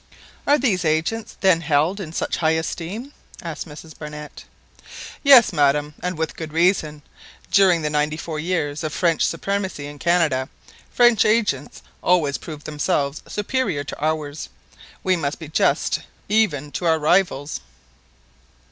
"Are these agents then held in such high esteem?" asked Mrs Barnett. "Yes, madam, and with good reason. During the ninety four years of French supremacy in Canada, French agents always proved themselves superior to ours. We must be just even to our rivals."